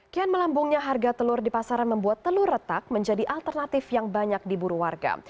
kian melambungnya harga telur di pasaran membuat telur retak menjadi alternatif yang banyak diburu warga